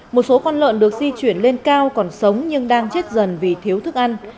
một số con lợn được di chuyển lên cao còn sống nhưng đang chết dần vì thiếu thức ăn